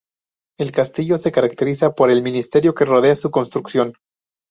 El castillo se caracteriza por el misterio que rodea su construcción.